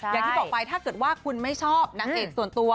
อย่างที่บอกไปถ้าเกิดว่าคุณไม่ชอบนางเอกส่วนตัว